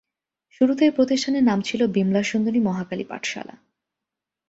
শুরুতে এ প্রতিষ্ঠানের নাম ছিল বিমলা সুন্দরী মহাকালী পাঠশালা।